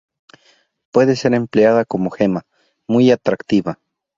Puede ser empleada como gema, muy atractiva.